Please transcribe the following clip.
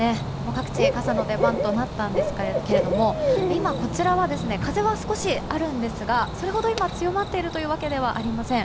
各地、傘の出番となったんですが今、こちらは風は少しあるんですがそれほど今、強まっているというわけではありません。